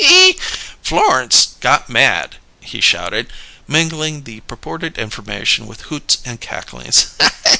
"Florence got mad!" he shouted, mingling the purported information with hoots and cacklings.